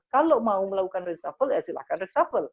kalau mau melakukan reshuffle ya silahkan reshuffle